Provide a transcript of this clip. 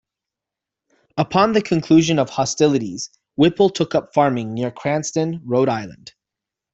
Upon the conclusion of hostilities, Whipple took up farming near Cranston, Rhode Island.